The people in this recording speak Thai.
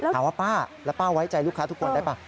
ป้าแล้วป้าไว้ใจลูกค้าทุกคนได้ป่ะ